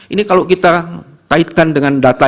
ini kalau kita kaitkan dengan data